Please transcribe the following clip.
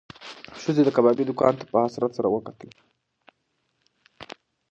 ښځې د کبابي دوکان ته په حسرت سره وکتل.